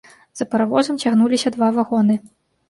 За паравозам цягнуліся два вагоны.